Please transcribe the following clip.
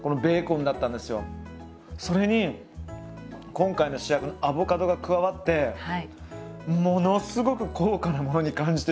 それに今回の主役のアボカドが加わってものすごく高価なものに感じてしまいます。